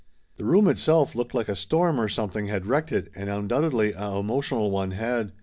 The room itself looked like a storm or something had wrecked it and undoubtedly a emotional one had.